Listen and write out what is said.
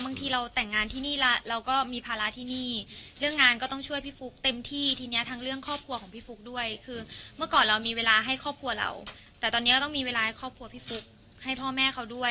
บางทีเราแต่งงานที่นี่แล้วเราก็มีภาระที่นี่เรื่องงานก็ต้องช่วยพี่ฟุ๊กเต็มที่ทีนี้ทั้งเรื่องครอบครัวของพี่ฟุ๊กด้วยคือเมื่อก่อนเรามีเวลาให้ครอบครัวเราแต่ตอนนี้ก็ต้องมีเวลาให้ครอบครัวพี่ฟุ๊กให้พ่อแม่เขาด้วย